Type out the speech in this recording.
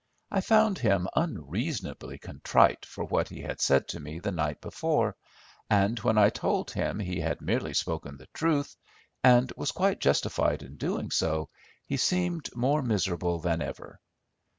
I found him unreasonably contrite for what he had said to me the night before; and when I told him he had merely spoken the truth, and was quite justified in doing so, he seemed more miserable than ever.